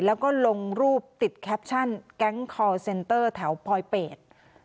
แล้วก็ลงรูปติดแคปชั่นแก๊งคอลเซนเตอร์แถวปลอยเป็ด